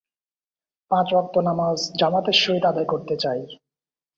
তার স্মৃতি শক্তি ছিল প্রখর।